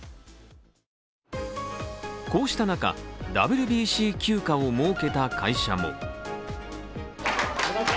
こうした中、ＷＢＣ休暇を設けた会社も。